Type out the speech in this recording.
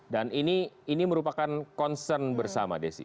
dan ini merupakan concern bersama desi